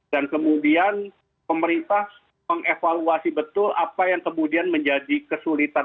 dan kemudian pemerintah mengevaluasi betul apa yang kemudian menjadi kesulitan